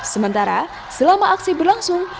sementara selama aksi berlangsung